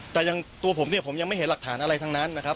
แต่ยังตัวผมเนี่ยผมยังไม่เห็นหลักฐานอะไรทั้งนั้นนะครับ